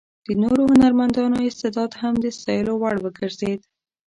د نورو هنرمندانو استعداد هم د ستایلو وړ وګرځېد.